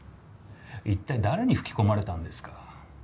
一体誰に吹き込まれたんですか。